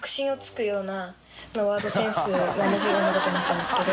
まぁ同じようなことになっちゃうんですけど。